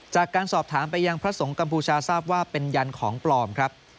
จากการสอบถามไปยังพระสงฆ์กัมพูชาทราบว่าเป็นยันของปลอมครับ